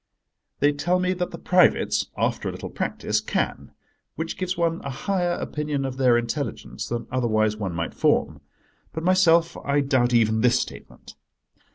They tell me that the privates, after a little practice, can—which gives one a higher opinion of their intelligence than otherwise one might form. But myself I doubt even this statement.